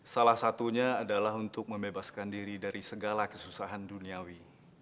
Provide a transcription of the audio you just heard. salah satunya adalah untuk membebaskan diri dari segala kesusahan duniawi